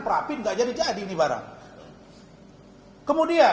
prapim enggak jadi jadi ini barang hai kemudian